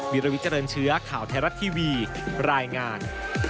วิราวิทยาลัยเชื้อข่าวไทยรัฐทีวีรายงาน